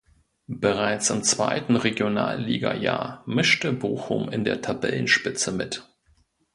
Bereits im zweiten Regionalliga-Jahr mischte Bochum in der Tabellenspitze mit.